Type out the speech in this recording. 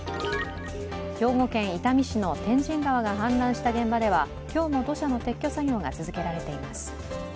兵庫県伊丹市の天神川が氾濫した現場では今日も土砂の撤去作業が続けられています。